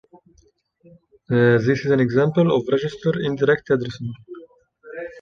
This is an example of register indirect addressing.